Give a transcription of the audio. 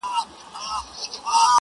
که به دوی هم مهربان هغه زمان سي-